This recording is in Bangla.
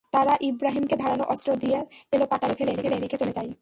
তারা ইব্রাহিমকে ধারালো অস্ত্র দিয়ে এলোপাতাড়ি কুপিয়ে ফেলে রেখে চলে যায়।